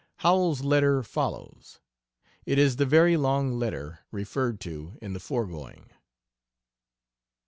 Howells's letter follows. It is the "very long letter" referred to in the foregoing.